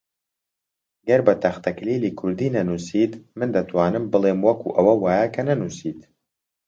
گەر بە تەختەکلیلی کوردی نەنووسیت، من دەتوانم بڵێم وەکو ئەوە وایە کە نەنووسیت